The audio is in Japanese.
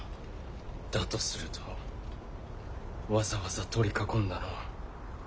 だとするとわざわざ取り囲んだのは。